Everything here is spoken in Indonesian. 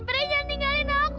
peri jangan tinggalin aku